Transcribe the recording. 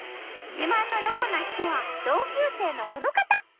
自慢のロコな人は同級生のこの方！